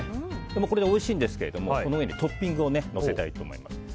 これでもおいしいんですけどもこの上にトッピングをのせたいと思います。